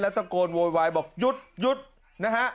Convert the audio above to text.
ตะโกนโวยวายบอกหยุดหยุดนะฮะ